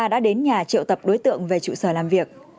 đã đến nhà triệu tập đối tượng về trụ sở làm việc